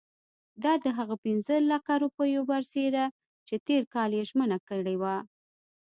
دا د هغه پنځه لکه روپیو برسېره چې تېر کال یې ژمنه کړې وه.